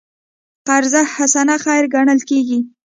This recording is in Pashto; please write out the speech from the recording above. قرض حسنه خیر ګڼل کېږي.